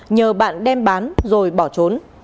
nhờ bạn đem bán rồi bỏ trốn